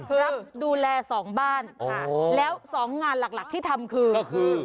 รับดูแลสองบ้านค่ะแล้วสองงานหลักหลักที่ทำคือก็คือ